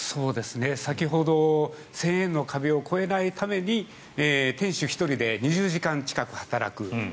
先ほど、１０００円の壁を超えないために店主１人で２０時間近く働く。